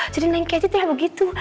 jadi neng keti tuh ya begitu